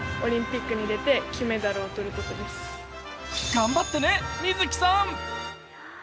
頑張ってね、みず希さん！